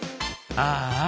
ああ